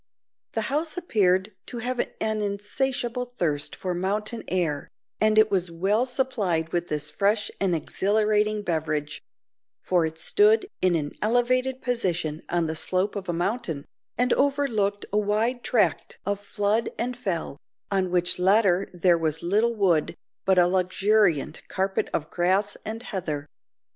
The house appeared to have an insatiable thirst for mountain air, and it was well supplied with this fresh and exhilarating beverage; for it stood in an elevated position on the slope of a mountain, and overlooked a wide tract of flood and fell, on which latter there was little wood, but a luxuriant carpet of grass and heather.